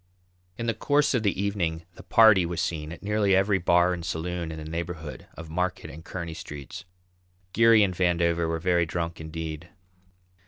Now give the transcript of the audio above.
In the course of the evening the patty was seen at nearly every bar and saloon in the neighbourhood of Market and Kearney streets. Geary and Vandover were very drunk indeed.